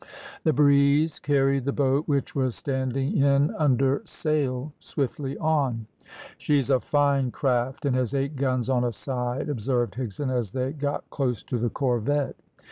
The breeze carried the boat which was standing in under sail swiftly on. "She's a fine craft, and has eight guns on a side," observed Higson, as they got close to the corvette.